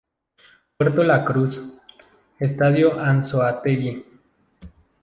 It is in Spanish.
Puerto La Cruz, Estado Anzoátegui.